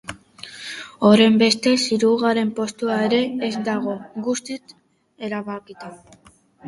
Horrenbestez, hirugarren postua ere ez dago guztiz erabakita.